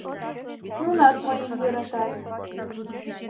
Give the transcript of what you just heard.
— Нунат мыйым йӧратат.